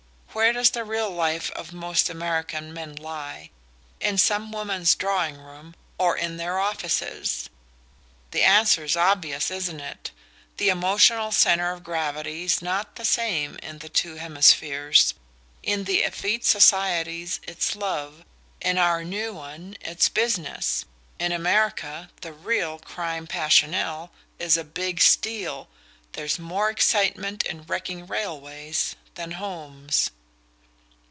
Where does the real life of most American men lie? In some woman's drawing room or in their offices? The answer's obvious, isn't it? The emotional centre of gravity's not the same in the two hemispheres. In the effete societies it's love, in our new one it's business. In America the real crime passionnel is a 'big steal' there's more excitement in wrecking railways than homes."